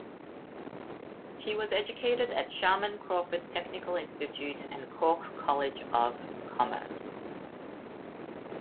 He was educated at Sharman Crawford Technical Institute and Cork College of Commerce.